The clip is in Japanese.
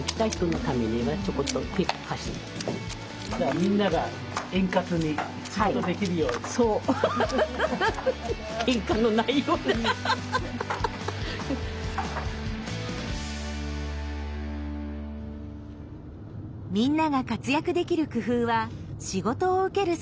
みんなが活躍できる工夫は仕事を受ける際にもあります。